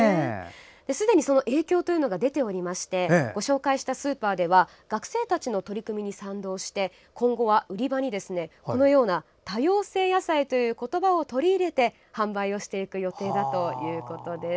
すでに影響というのが出ておりましてご紹介したスーパーでは学生たちの取り組みに賛同して今後は、売り場に「多様性野菜」という言葉を取り入れて販売をしていく予定だということです。